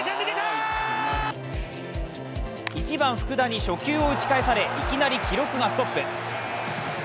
１番・福田に初球を打ち返されいきなり記録がストップ。